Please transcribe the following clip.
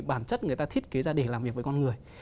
bản chất người ta thiết kế ra để làm việc với con người